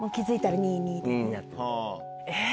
えっ？